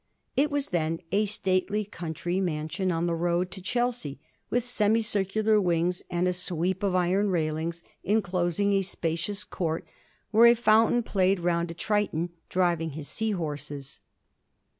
It was then a stately country mansion on the road to Chelsea, with semicircular wings and a sweep of iron railings enclosing a spacious court, where a fountain played round a Triton driving his 8ea horses.